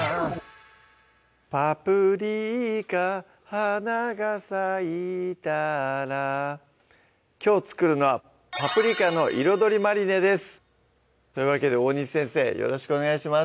「パプリカ花が咲いたら」きょう作るのは「パプリカの彩りマリネ」ですというわけで大西先生よろしくお願いします